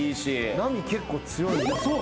波結構強い。